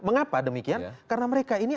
mengapa demikian karena mereka ini